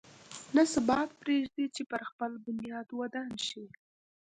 نه ثبات پرېږدي چې پر خپل بنیاد ودان شي.